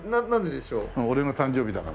俺の誕生日だから。